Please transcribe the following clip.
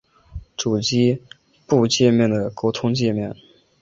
主机埠介面的沟通介面。